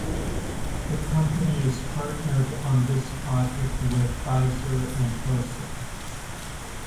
The company is partnered on this project with Pfizer and Fosun.